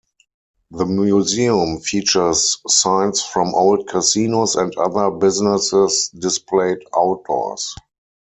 The museum features signs from old casinos and other businesses displayed outdoors.